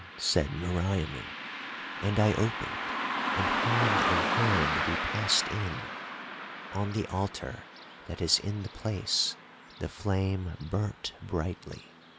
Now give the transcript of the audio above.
said Meriamun, and I opened, and hand in hand we passed in. On the altar that is in the place the flame burnt brightly.